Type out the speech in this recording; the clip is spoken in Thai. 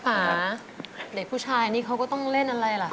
ค่ะเด็กผู้ชายนี่เขาก็ต้องเล่นอะไรล่ะ